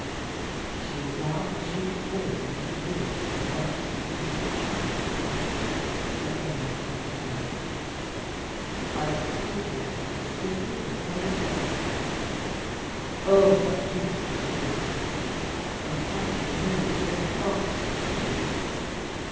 "She is now issuing forth into the green in front of Saint Peter's Chapel," said Henry to himself. "I can see her as distinctly as if I were there. Ah, how beautiful she looks! and how she moves all hearts to pity!